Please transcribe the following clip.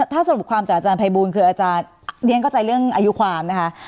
ถ้าสรุปความจากอาจารย์ภัยบูลคืออาจารย์เรียนเข้าใจเรื่องอายุความนะคะ